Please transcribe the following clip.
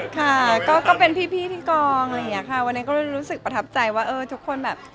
ค่ะก็เป็นพี่ที่กองวันนี้ก็รู้สึกประทับใจว่าเออทุกคนแบบ